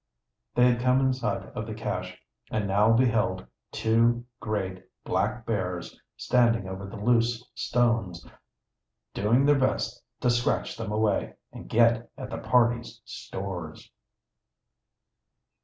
They had come in sight of the cache, and now beheld two great black bears standing over the loose stones, doing their best to scratch them away and get at the party's stores!